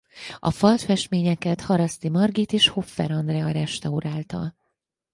A falfestményeket Haraszti Margit és Hoffer Andrea restaurálta.